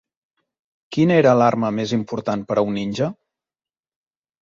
Quina era l'arma més important per a un ninja?